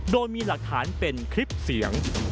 โดยมีหลักฐานเป็นคลิปเสียง